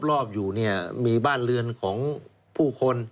รอบอยู่เนี่ยมีบ้านเรือนของผู้คน